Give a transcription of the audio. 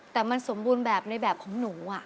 แต่มันสมบูรณ์แบบในแบบของหนู